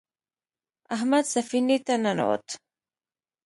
احمد سفینې ته ننوت.